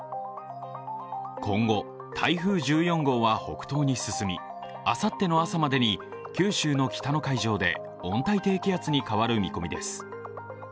今後、台風１４号は北東に進みあさっての朝までに九州の北の海上で温帯低気圧に変わる見込みです。